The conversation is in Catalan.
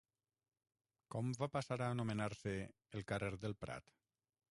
Com va passar a anomenar-se el carrer del Prat?